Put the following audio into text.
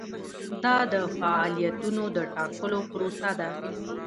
دا د فعالیتونو د ټاکلو پروسه ده.